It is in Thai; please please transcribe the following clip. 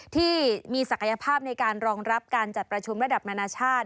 ที่มีศักยภาพในการรองรับการจัดประชุมระดับนานาชาติ